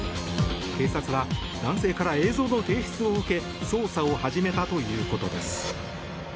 警察は男性から映像の提出を受け捜査を始めたということです。